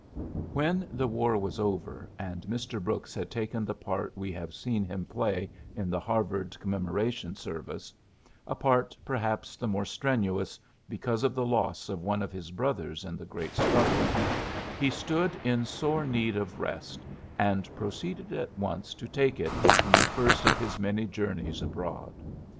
When the war was over, and Mr. Brooks had taken the part we have seen him play in the Harvard Commemora tion service, apart perhaps the more strenuous because of the loss of one of his brothers in the great struggle, he stood in sore need of rest, and proceeded at once to take it in the first of his many journeys abroad.